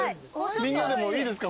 みんなでもいいですか？